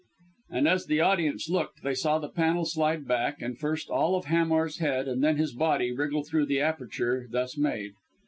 And as the audience looked, they saw the panel slide back, and first of all Hamar's head, and then his body, wriggle through the aperture thus made.